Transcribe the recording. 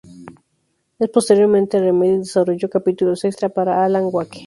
Posteriormente Remedy desarrolló capítulos extra para "Alan Wake".